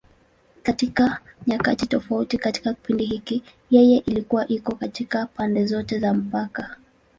Katika nyakati tofauti katika kipindi hiki, yeye ilikuwa iko katika pande zote za mpaka.